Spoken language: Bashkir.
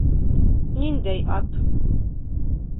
— Ниндәй... ат?!